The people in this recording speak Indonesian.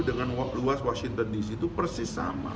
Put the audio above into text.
dengan luas washington dc itu persis sama